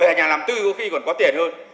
là nhà làm tư có khi còn có tiền hơn